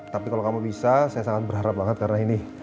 tapi kalau kamu bisa saya sangat berharap banget karena ini